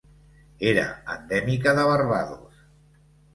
Era endèmica de Barbados.